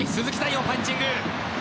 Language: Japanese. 艶、パンチング！